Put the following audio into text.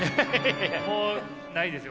もうないですよ